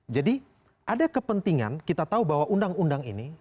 jadi ada kepentingan kita tahu bahwa undang undang ini